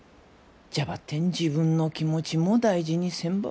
じゃばってん自分の気持ちも大事にせんば。